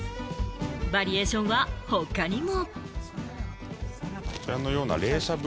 バリエーションは他にも。